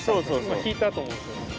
今引いたと思うんすよ。